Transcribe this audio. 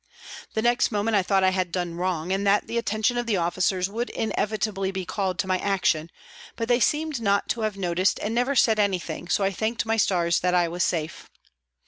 The next moment I thought I had done wrong and that the attention of the officers would inevitably be called to my action, but they seemed not to have noticed and never said anything, so I thanked my stars that I was safe.